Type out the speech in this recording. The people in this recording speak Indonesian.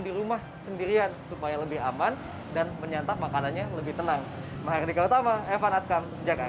di rumah sendirian supaya lebih aman dan menyantap makanannya lebih tenang mahardika utama evan atkam jakarta